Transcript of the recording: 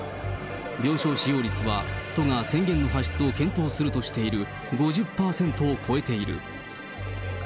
病床使用率は、都が宣言の発出を検討するとしている５０％を超えている。